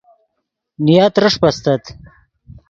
نیا ترݰپ استت